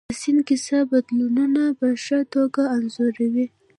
د سیند کیسه بدلونونه په ښه توګه انځوروي.